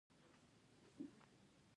د تکنالوژۍ نه کارول وروسته پاتې والی دی.